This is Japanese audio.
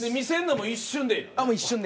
もう一瞬で。